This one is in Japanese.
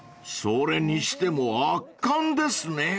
［それにしても圧巻ですね］